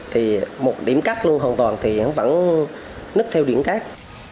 thì một điểm cắt luôn hoàn toàn thì vẫn nứt theo điểm cát